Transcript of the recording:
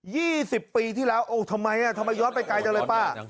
สิบปีที่แล้วโอ้ทำไมอ่ะทำไมย้อนไปไกลจังเลยป้า